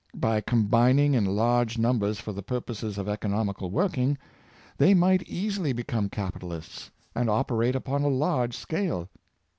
By combining in large numbers for the purposes of economical working, they might easily become capi talists, and operate upon a large scale.